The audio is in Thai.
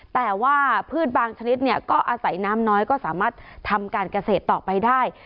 แต่ว่าพืชบางชนิดเนี่ยก็อาศัยน้ำน้อยก็สามารถทำการเกษตรต่อไปได้